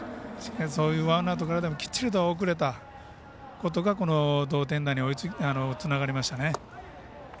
そういうワンアウトからでもきっちりと送れたことがこの同点打につながりましたね。